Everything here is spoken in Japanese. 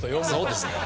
そうですね。